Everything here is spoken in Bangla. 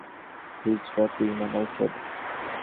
হিজড়া তুই, মাদারচোদ!